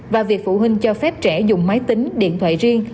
và việc phụ huynh cho phép trẻ dùng máy tính điện thoại riêng